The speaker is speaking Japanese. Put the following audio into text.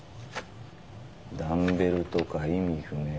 「ダンベルとか意味不明。